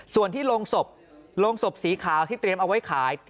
ส่วนที่โรงศพโรงศพสีขาวที่เตรียมเอาไว้ขาย